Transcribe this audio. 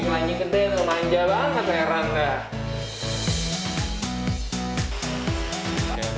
ingatnya manja banget heran enggak